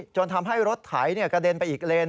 จนทำให้รถไถกระเด็นไปอีกเลน